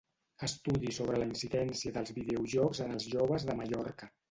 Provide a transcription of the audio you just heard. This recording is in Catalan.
Estudi sobre la incidència dels videojocs en els joves de Mallorca.